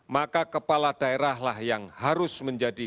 maka kepala daerahlah yang harus menjadi